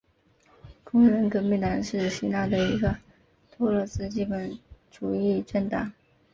工人革命党是希腊的一个托洛茨基主义政党。